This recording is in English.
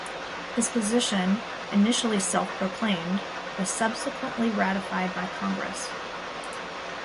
His position, initially self-proclaimed, was subsequently ratified by Congress.